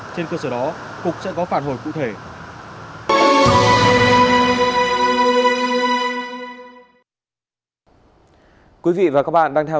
trên cơ sở đó cục sẽ có phản hồi cụ thể